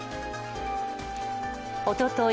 おととい